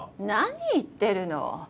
何言ってるの？